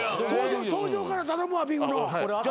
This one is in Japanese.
登場から頼むわビフの。